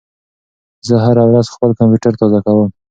زه هره ورځ خپل کمپیوټر تازه کوم.